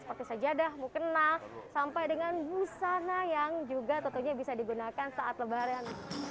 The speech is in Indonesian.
seperti sajadah mukena sampai dengan busana yang juga tentunya bisa digunakan saat lebaran